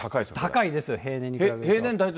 高いです、平年に比べて。